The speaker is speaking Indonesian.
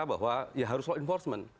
bahwa ya harus law enforcement